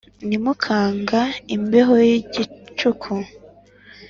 nimukanga imbeho y'igicuku